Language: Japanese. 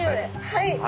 はい！